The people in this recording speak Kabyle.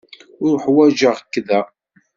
Uḥwaǧeɣ-k da.